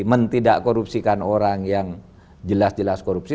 mentidak korupsikan orang yang jelas jelas korupsi